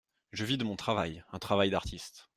Je vis de mon travail, un travail d'artiste.